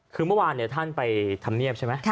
คือเมื่อวานท่านไปทำเนียบใช่ไหม